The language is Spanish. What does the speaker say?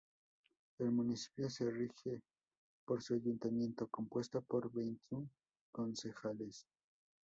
El municipio se rige por su ayuntamiento, compuesto por veintiún concejales.